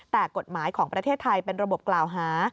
แต่กฎหมายของประเทศไทยเป็นระบบกล่าวหา